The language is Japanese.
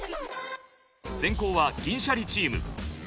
先攻は銀シャリチーム。